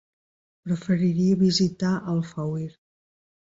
Preferiria visitar Alfauir.